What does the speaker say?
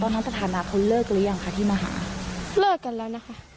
ตอนนั้นสถานะเขาเลิกหรือยังคะที่มาหาเลิกกันแล้วนะคะ